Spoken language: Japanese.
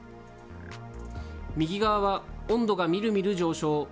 右側は温度がみるみる上昇。